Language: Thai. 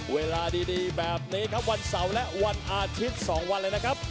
เวลาดีแบบนี้ครับวันเสาร์และวันอาทิตย์๒วันเลยนะครับ